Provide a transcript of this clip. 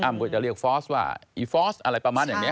ก็จะเรียกฟอสว่าอีฟอสอะไรประมาณอย่างนี้